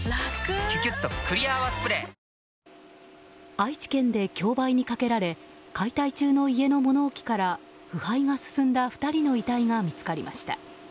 愛知県で競売にかけられ解体中の家の物置から腐敗が進んだ２人の遺体が見つかりました。